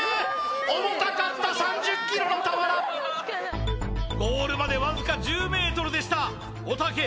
重たかった３０ｋｇの俵ゴールまでわずか１０ｍでしたおたけ